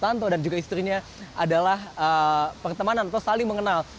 tanto dan juga istrinya adalah pertemanan atau saling mengenal